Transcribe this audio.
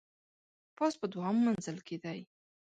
پاس په دوهم منزل کي دی .